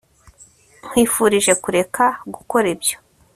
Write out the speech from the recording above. nkwifurije kureka gukora ibyo